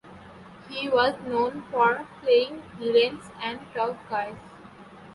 He was known for playing villains and tough guys.